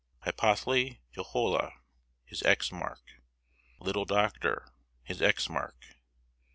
"HYPOTHLE YOHOLA, his X mark, [L.S.] LITTLE DOCTOR, his X mark, [L.